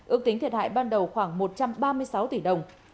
ước tính thiệt hại ban đầu khoảng một trăm ba mươi sáu tỷ đồng